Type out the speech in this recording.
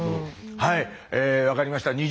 はい分かりました。